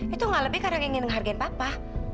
itu nggak lebih karena ingin menghargai papa